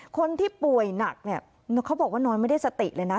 คนที่ป่วยหนักเนี่ยเขาบอกว่านอนไม่ได้สติเลยนะ